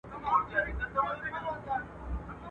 تازي د ښکار پر وخت غول ونيسي.